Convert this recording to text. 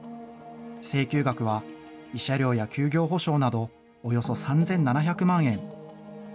請求額は、慰謝料や休業補償など、およそ３７００万円。